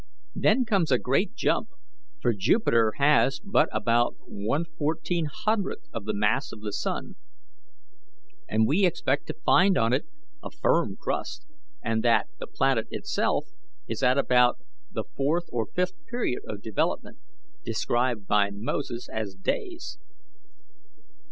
Then comes a great jump, for Jupiter has but about one fourteen hundredth of the mass of the sun, and we expect to find on it a firm crust, and that the planet itself is at about the fourth or fifth period of development, described by Moses as days.